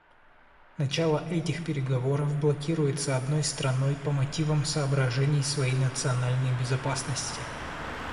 Начало этих переговоров блокируется одной страной по мотивам соображений своей национальной безопасности.